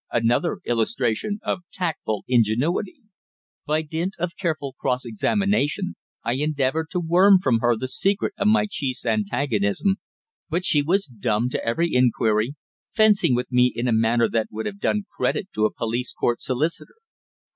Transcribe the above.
Another illustration of tactful ingenuity. By dint of careful cross examination I endeavoured to worm from her the secret of my chief's antagonism, but she was dumb to every inquiry, fencing with me in a manner that would have done credit to a police court solicitor.